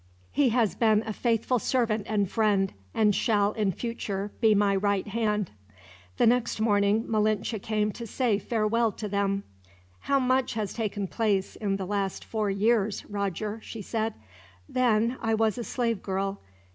He has been a faithful servant and friend, and shall in future be my right hand." The next morning Malinche came to say farewell to them. "How much has taken place, in the last four years, Roger!" she said. "Then, I was a slave girl.